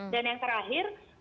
dan yang terakhir